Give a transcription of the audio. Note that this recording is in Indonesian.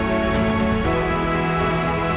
jika situasi yang jadi seperti sekarang friend